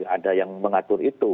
ada yang mengatur itu